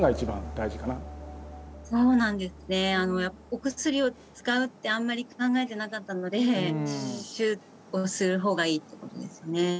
お薬を使うってあんまり考えてなかったので「シュッ」とする方がいいってことですよね。